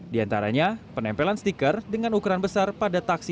di antaranya penempelan stiker dengan ukuran besar pada taksi